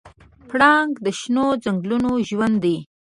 پړانګ د شنو ځنګلونو ژوندی دی.